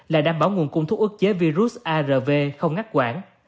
là đảm bảo nguồn cung thuốc ước chế virus arv không ngắt quản